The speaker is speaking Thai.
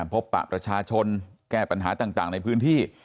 พบปรับรัชชนแก้ปัญหาต่างในพื้นที่